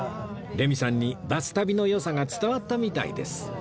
レミさんにバス旅の良さが伝わったみたいです